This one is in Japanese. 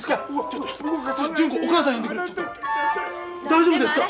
大丈夫ですか？